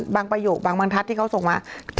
ประโยคบางบรรทัศน์ที่เขาส่งมา